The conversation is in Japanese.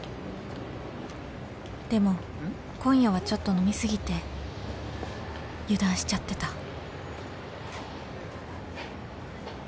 ［でも今夜はちょっと飲み過ぎて油断しちゃってた］